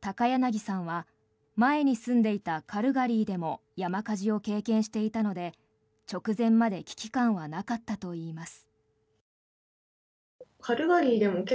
高柳さんは前に住んでいたカルガリーでも山火事を経験していたので直前まで危機感はなかったといいます。